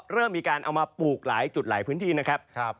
เริ่มมีการเอามาปลูกหลายจุดหลายพื้นที่นะครับ